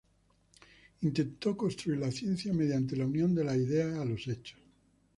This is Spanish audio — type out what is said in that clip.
Intentó construir la ciencia mediante la unión de las ideas a los hechos.